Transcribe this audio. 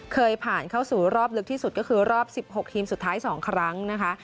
เคยผ่านเข้าสู่รอบลึกที่สุดก็คือรอบ๑๖ทีมสุดท้าย๒ครั้งนะคะ